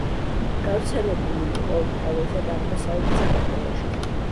გავრცელებული იყო უმთავრესად აღმოსავლეთ საქართველოში.